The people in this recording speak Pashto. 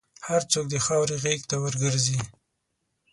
هر څوک د خاورې غېږ ته ورګرځي.